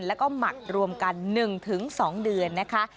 แล้วก็หมักรวมกัน๑๒เดือนนะคะ